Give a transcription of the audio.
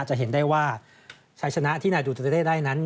จะเห็นได้ว่าชัยชนะที่นายดูตูเต้ได้นั้น